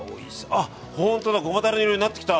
あっほんとだごまだれ色になってきた。